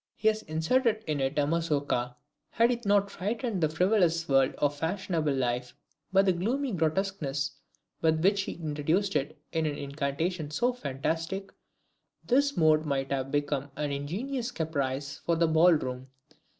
He has inserted in it a MAZOURKA. Had he not frightened the frivolous world of fashionable life, by the gloomy grotesqueness with which he introduced it in an incantation so fantastic, this mode might have become an ingenious caprice for the ball room.